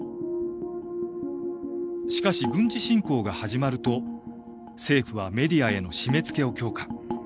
しかし軍事侵攻が始まると政府はメディアへの締めつけを強化。